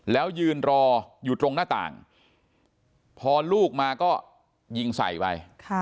แล้วยืนรออยู่ตรงหน้าต่างพอลูกมาก็ยิงใส่ไป